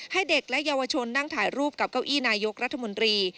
ให้เด็กและเยาวชนนั่งถ่ายรูปกับเก้าอี้นายกรัฐมนตรี